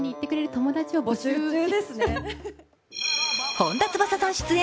本田翼さん出演。